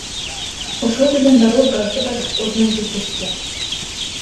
Ошол жерден дароо газды басып, ордунан жылып кетишти.